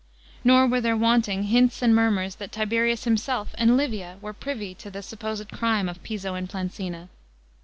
N^r were there wanting hints and murmurs that Tiberius Limse^f and Livia wcrt privy to the supposed crime of Piso and Planuina.